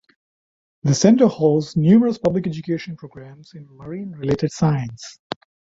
The Centre hosts numerous public education programs in marine related science.